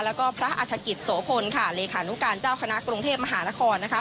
แล้วก็พระอัฐกิจโสพลค่ะเลขานุการเจ้าคณะกรุงเทพมหานครนะคะ